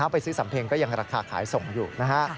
ไปซื้อสำเพ็งก็ยังราคาขายส่งอยู่นะฮะ